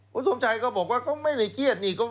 คุณสมชัยก็บอกว่าก็ไม่ได้เครียดนี่